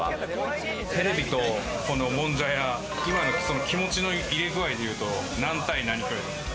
テレビともんじゃ屋、今の気持ちの入れ具合で言うと、何対何ぐらいですか？